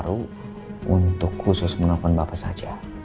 untuk menelpon bapak saja